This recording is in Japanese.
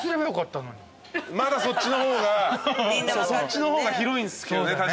まだそっちの方が広いんすけどね